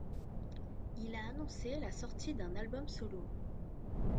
Il a annoncé la sortie d'un album solo.